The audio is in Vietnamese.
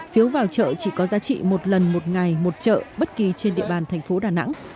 phiếu vào chợ chỉ có giá trị một lần một ngày một chợ bất kỳ trên địa bàn thành phố đà nẵng